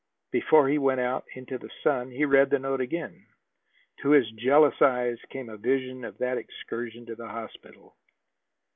Before he went out into the sun, he read the note again. To his jealous eyes came a vision of that excursion to the hospital.